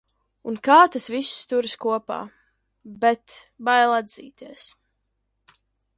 Un kā tas viss turas kopā. Bet - bail atzīties...